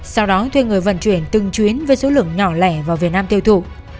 sau đó thuê người vận chuyển từng chuyến với số lượng nhỏ lẻ vào việt nam tiêu thụ